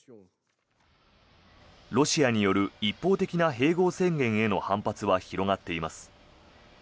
ロシアによる一方的な併合宣言への反発は広がっています。